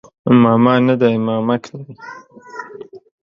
ماما نه دی مامک دی